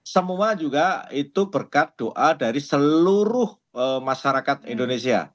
semua juga itu berkat doa dari seluruh masyarakat indonesia